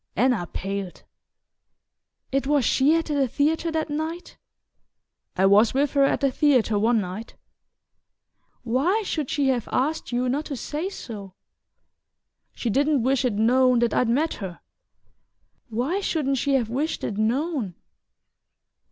Anna paled. "It was she at the theatre that night?" "I was with her at the theatre one night." "Why should she have asked you not to say so?" "She didn't wish it known that I'd met her." "Why shouldn't she have wished it known?"